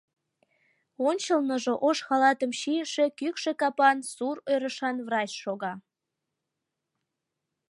Ончылныжо ош халатым чийыше кӱкшӧ капан, сур ӧрышан врач шога.